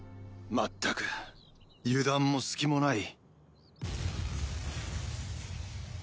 まったく油断も隙もない。